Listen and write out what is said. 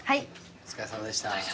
お疲れさまでした。